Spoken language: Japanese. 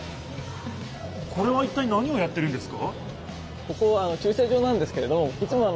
これはいったい何をやってるんですか？